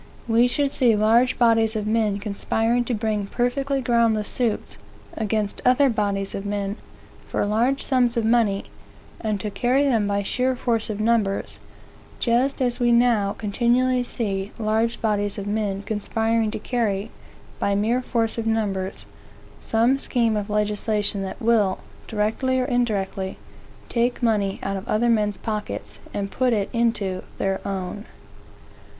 We should see large bodies of men conspiring to bring perfectly groundless suits, against other bodies of men, for large sums of money, and to carry them by sheer force of numbers; just as we now continually see large bodies of men conspiring to carry, by mere force of numbers, some scheme of legislation that will, directly or indirectly, take money out of other men's pockets, and put it into their own.